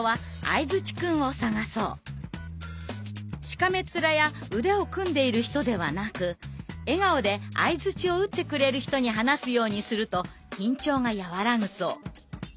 しかめっ面や腕を組んでいる人ではなく笑顔で相づちを打ってくれる人に話すようにすると緊張が和らぐそう。